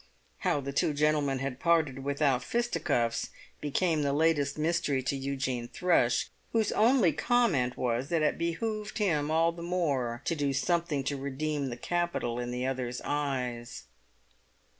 How the two gentlemen had parted without fisticuffs became the latest mystery to Eugene Thrush, whose only comment was that it behoved him all the more to do something to redeem the capital in the other's eyes.